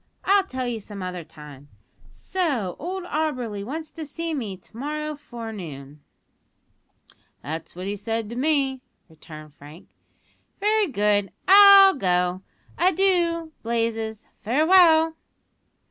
I'll tell you some other time. So old Auberly wants to see me to morrow forenoon?" "That's what he said to me," returned Frank. "Very good; I'll go. Adoo, Blazes farewell."